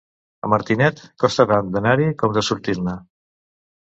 A Martinet, costa tant d'anar-hi com de sortir-ne.